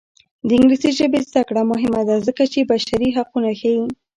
د انګلیسي ژبې زده کړه مهمه ده ځکه چې بشري حقونه ښيي.